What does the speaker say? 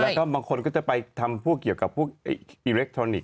แล้วก็บางคนก็จะไปทำพวกเกี่ยวกับพวกอิเล็กทรอนิกส